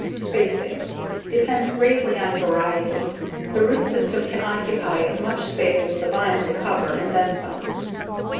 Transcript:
Spacing: Depends greatly on variety. The root system can occupy as much space as the vines will cover and then some.